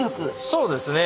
そうですね。